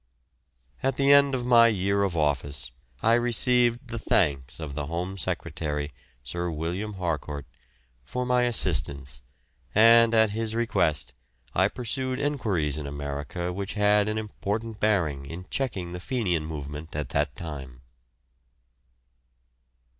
At the end of my year of office I received the thanks of the Home Secretary, Sir William Harcourt, for my assistance and, at his request, I pursued enquiries in America which had an important bearing in checking the Fenian movement at that time.